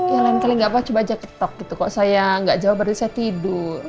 yang lain kali gak apa apa coba aja ketok gitu kok saya nggak jawab berarti saya tidur